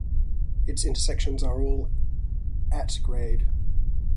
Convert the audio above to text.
Its intersections are all at-grade.